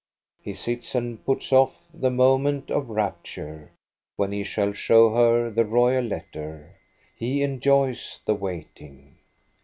He sits and puts off the moment of rapture, when he shall show her the royal letter. He enjoys the waiting.'